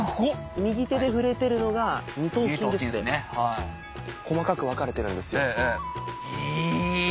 右手で触れてるのが細かく分かれてるんですよ。